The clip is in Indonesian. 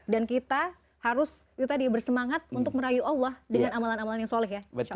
dan kita harus itu tadi bersemangat untuk merayu allah dengan amalan amalan yang soleh ya